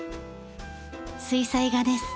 水彩画です。